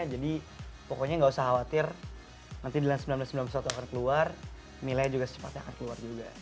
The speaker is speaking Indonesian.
jadi pokoknya gak usah khawatir nanti dilan seribu sembilan ratus sembilan puluh satu akan keluar milenya juga secepatnya akan keluar juga